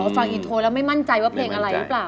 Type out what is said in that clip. ฟังอินโทรแล้วไม่มั่นใจว่าเพลงอะไรหรือเปล่า